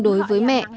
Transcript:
đối với mẹ